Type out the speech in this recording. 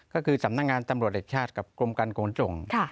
ก็คือสำนักงานตำรวจแห่งชาติกับกรมการขนส่ง